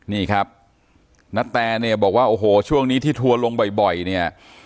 นี่ครับณแตเนี่ยบอกว่าโอ้โหช่วงนี้ที่ทัวร์ลงบ่อยเนี่ย